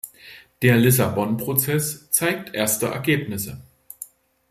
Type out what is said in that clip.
Der Lissabon-Prozess zeigt erste Ergebnisse.